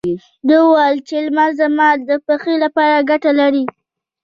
ده وويل چې لمر زما د پښې لپاره ګټه لري.